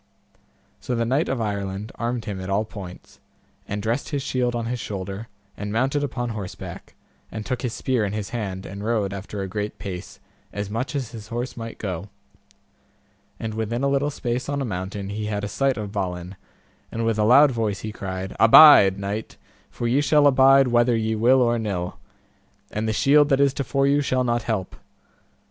So the knight of Ireland armed him at all points, and dressed his shield on his shoulder, and mounted upon horseback, and took his spear in his hand, and rode after a great pace, as much as his horse might go; and within a little space on a mountain he had a sight of Balin, and with a loud voice he cried, Abide, knight, for ye shall abide whether ye will or nill, and the shield that is to fore you shall not help.